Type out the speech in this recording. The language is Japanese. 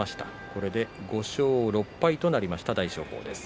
これで５勝６敗となりました大翔鵬です。